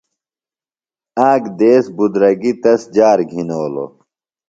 آک دیس بُدرَگیۡ تس جار گِھنولوۡ۔